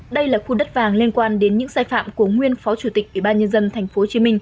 đây là khu đất vàng liên quan đến những sai phạm của nguyên phó chủ tịch ủy ban nhân dân tp hcm